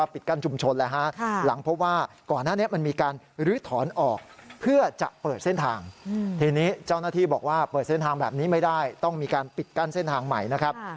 ปิดกั้นเส้นทางใหม่นะครับ